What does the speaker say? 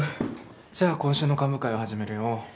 じゃあ今週の幹部会を始めるよ。